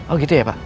oh gitu ya pak